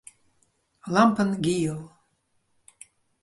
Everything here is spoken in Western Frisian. Lampen giel.